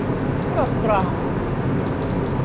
Һорап тораһың?!